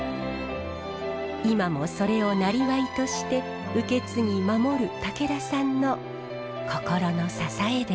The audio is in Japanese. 今もそれをなりわいとして受け継ぎ守る武田さんの心の支えです。